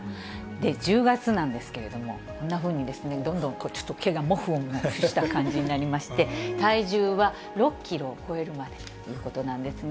１０月なんですけれども、こんなふうに、どんどんちょっと毛がもふもふした感じになりまして、体重は６キロを超えるまでということなんですね。